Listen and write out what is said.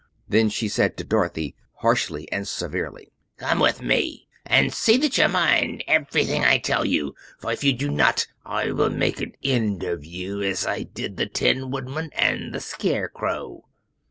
Then she said to Dorothy, harshly and severely: "Come with me; and see that you mind everything I tell you, for if you do not I will make an end of you, as I did of the Tin Woodman and the Scarecrow."